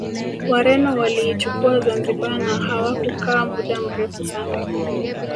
Wareno waliichukua Zanzibar na hawakukaa muda mrefu sana